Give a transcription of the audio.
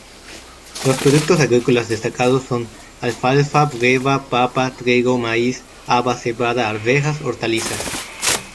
Los productos agrícolas destacados son: alfalfa, breva, papa, trigo, maíz, haba, cebada, arvejas, hortalizas.